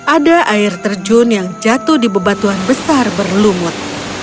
ada air terjun yang jatuh di bebatuan besar berlumut